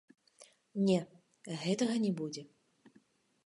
Не, гэтага не будзе!